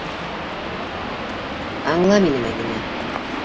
Аңла мине, Мәҙинә!